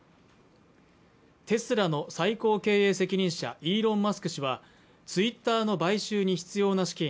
テスラの最高経営責任者イーロン・マスク氏はツイッターの買収に必要な資金